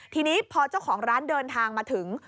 ทีนี้พอเจ้าของร้านเดินทางมาถึง